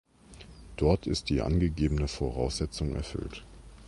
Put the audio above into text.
Dort ist die angegebene Voraussetzung erfüllt.